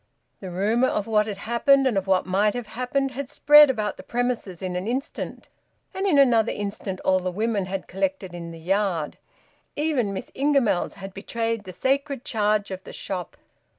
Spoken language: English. The rumour of what had happened, and of what might have happened, had spread about the premises in an instant, and in another instant all the women had collected in the yard; even Miss Ingamells had betrayed the sacred charge of the shop.